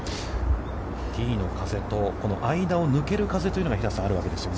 ティーの風と、この間を抜ける風が平瀬さん、あるわけですよね。